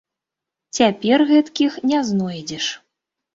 Цяпер гэткіх не знойдзеш.